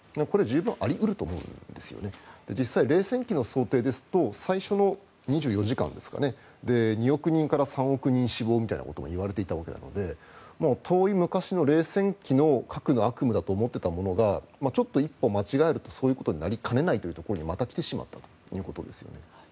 これは十分あり得ると思うんです実際、冷戦期の想定ですと最初の２４時間２億人から３億人死亡といわれていたわけなので遠い昔の冷戦期の核の悪夢だと思っていたものがちょっと一歩間違えるとそういうことになりかねないところにまた来てしまったということです。